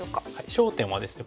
焦点はですね